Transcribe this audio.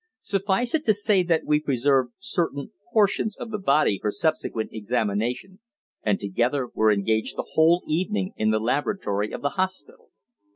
Suffice it to say that we preserved certain portions of the body for subsequent examination, and together were engaged the whole evening in the laboratory of the hospital.